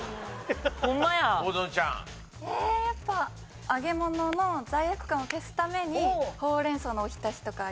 やっぱ揚げ物の罪悪感を消すためにほうれん草のおひたしとか。